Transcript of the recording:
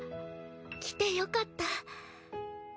来てよかった。